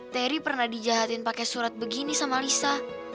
teri pernah dijahatin pakai surat begini sama lisa